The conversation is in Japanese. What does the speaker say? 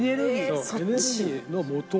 そうエネルギーのもと。